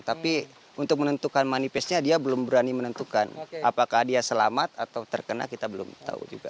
tapi untuk menentukan manifestnya dia belum berani menentukan apakah dia selamat atau terkena kita belum tahu juga